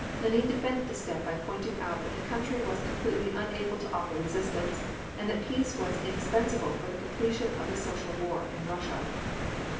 Lenine defended the step by pointing out that the country was completely unable to offer resistance, and that peace was indispensable for the completion of the social war in Russia.